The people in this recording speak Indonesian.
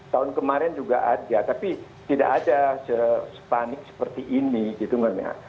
tahun kemarin juga ada tapi tidak ada sepanik seperti ini gitu mbak